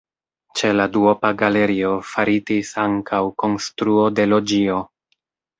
Ĉe la duopa galerio faritis ankaŭ konstruo de loĝio.